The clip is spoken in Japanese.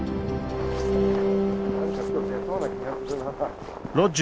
何か今日出そうな気がするな。